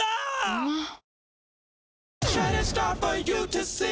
うまっ！！